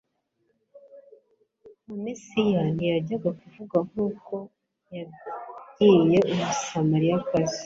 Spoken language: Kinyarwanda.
nka Mesiya, ntiyajyaga kuvuga nk'uko yabyiye Umusamaliyakazi.